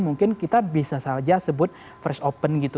mungkin kita bisa saja sebut first open gitu